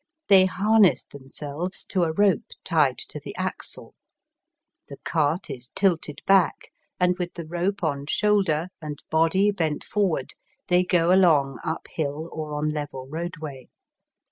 They harness themselves to a rope tied to the axle, the cart is tilted back, and with the rope on shoulder, and body bent forward, they go along up hill or on level roadway.